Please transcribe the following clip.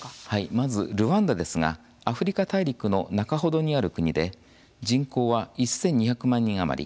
まず、ルワンダですがアフリカ大陸の中程にある国で人口は１２００万人余り。